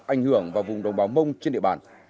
ảnh hưởng vào vùng đồng báo mông trên địa bàn